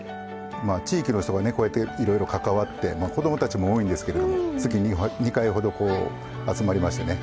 地域の人がねこうやっていろいろ関わって子どもたちも多いんですけれど月に２回ほど集まりましてね